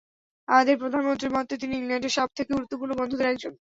আমাদের প্রধানমন্ত্রীর মতে, তিনি ইংল্যান্ডের সবথেকে গুরুত্বপূর্ণ বন্ধুদের একজন।